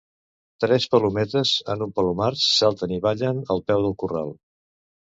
Tres palometes en un palomar salten i ballen al peu del corral.